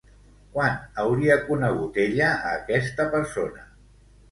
Quan hauria conegut ella a aquesta persona?